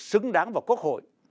xứng đáng vào quốc hội